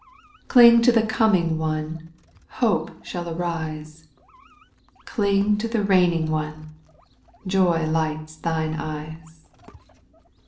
Cling to the Coming One, Hope shall arise ; Cling to the Reigning One, Joy lights thine eyes.